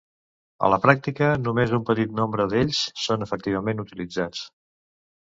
A la pràctica, només un petit nombre d'ells són efectivament utilitzats.